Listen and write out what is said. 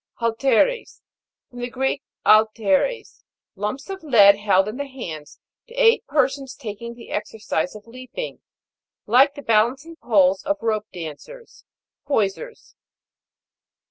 HALTE'RES. From the Greek, '/f eres, lumps of lead held in the hands to aid persons taking the exercise of leaping, like the balancing poles of rope dancers. Poisers.